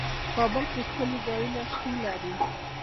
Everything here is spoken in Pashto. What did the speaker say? کابل کې ښکلي ځايونه شتون لري.